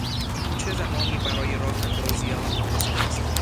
چه زمانی برای راه اندازی آن مناسب است؟